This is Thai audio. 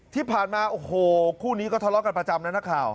ที่ผ่านมาโอ้โหคู่นี้ก็ทะเลาะกันประจำนะนักข่าว